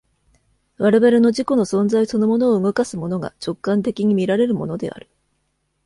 我々の自己の存在そのものを動かすものが、直観的に見られるものである。